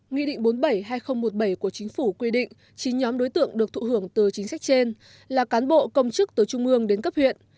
nghị định bốn mươi bảy hai nghìn một mươi bảy của chính phủ quy định chín nhóm đối tượng được thụ hưởng từ chính sách trên là cán bộ công chức từ trung ương đến cấp huyện